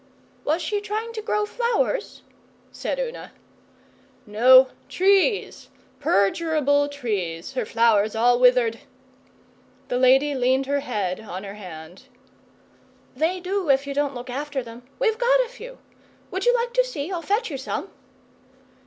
'Was she trying to grow flowers?' said Una. 'No, trees perdurable trees. Her flowers all withered.' The lady leaned her head on her hand. 'They do if you don't look after them. We've got a few. Would you like to see? I'll fetch you some.